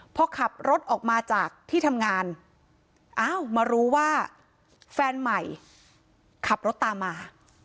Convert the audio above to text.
พอขับรถออกมาจากที่ทำงานอ้าวมารู้ว่าแฟนใหม่ขับรถตามมา